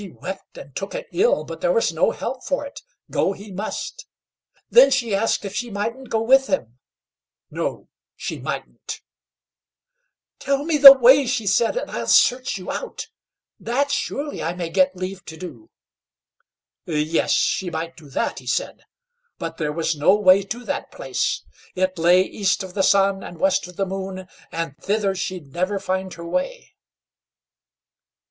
She wept and took it ill, but there was no help for it; go he must. Then she asked if she mightn't go with him. No, she mightn't. "Tell me the way, then," she said, "and I'll search you out; that surely I may get leave to do." [Illustration: "Tell me the way, then," she said, "and I'll search you out."] "Yes," she might do that, he said; "but there was no way to that place. It lay East of the Sun and West of the Moon, and thither she'd never find her way."